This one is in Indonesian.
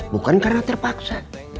bukan karena terpaksa